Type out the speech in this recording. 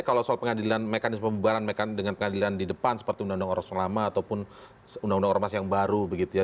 kalau soal pengadilan mekanisme pembubaran dengan pengadilan di depan seperti undang undang ormas lama ataupun undang undang ormas yang baru begitu ya